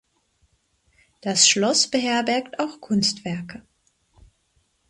Das Schloss beherbergt auch Kunstwerke.